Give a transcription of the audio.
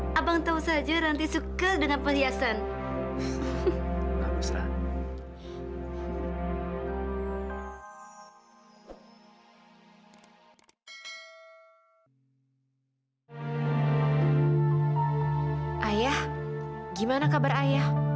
sampai jumpa di video selanjutnya